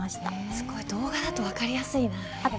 すごい動画だと分かりやすいなぁ。